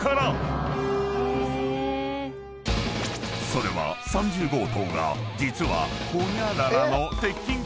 ［それは３０号棟が実は］